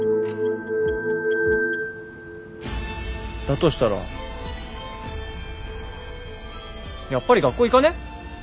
だとしたらやっぱり学校行かね？